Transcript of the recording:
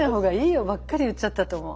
母にばっかり言っちゃったと思う。